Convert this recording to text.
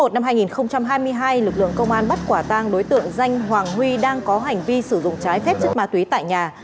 năm hai nghìn hai mươi hai lực lượng công an bắt quả tang đối tượng danh hoàng huy đang có hành vi sử dụng trái phép chất ma túy tại nhà